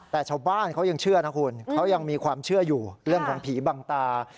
แต่ชาวบ้านเขายังเชื่อนะคุณเขายังมีความเชื่ออยู่เรื่องของผีบังตา